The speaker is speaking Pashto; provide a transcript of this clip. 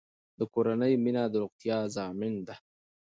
د کورنۍ مینه د روغتیا ضامن ده.